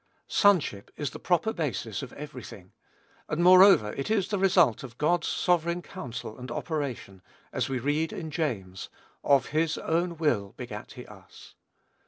Sonship is the proper basis of every thing; and moreover it is the result of God's sovereign counsel and operation, as we read in James, "of his own will begat he us."